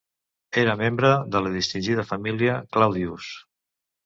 Era membre de la distingida família Claudius.